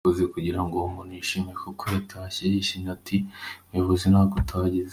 Nanjye nabikoze kugira ngo uwo muntu yishime kuko yatashye yishimye ati ‘muyobozi ntako utagize’.